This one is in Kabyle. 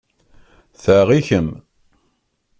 Ta i kemm.